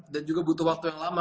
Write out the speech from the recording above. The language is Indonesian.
dan juga butuh waktu yang lama